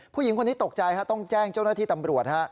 ผู้หญิงคนนี้ตกใจต้องแจ้งเจ้าหน้าที่ตำรวจฮะ